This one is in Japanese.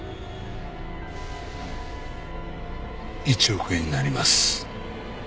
１億円になります。